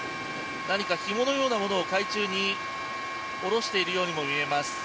何か、ひものようなものを海中に下ろしているようにも見えます。